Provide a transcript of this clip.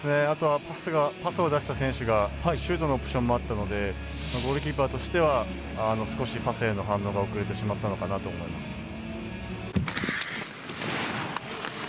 あとはパスを出した選手がシュートのオプションもあったのでゴールキーパーとしては少しパスへの反応が遅れてしまったのかなと思います。